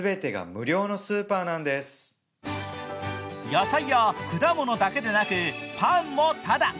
野菜や果物だけでなくパンもただ。